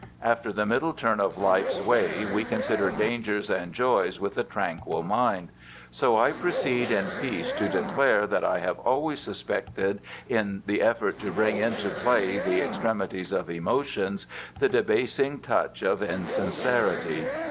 After the middle turn of life's way we consider dangers and joys with a tranquil mind. So I proceed in peace to declare that I have always suspected in the effort to bring into play the extremities of emotions the debasing touch of insincerity.